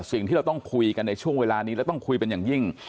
สิ่งที่เราต้องคุยกันในช่วงเวลานี้แล้วต้องคุยเป็นอย่างยิ่ง